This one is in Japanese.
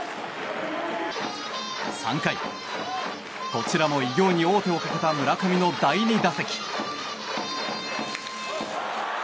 ３回、こちらも偉業に王手をかけた村上の第２打席。